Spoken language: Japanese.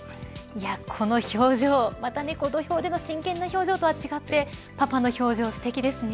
この表情、また土俵での真剣な表情と違ってパパの表情、すてきですよね。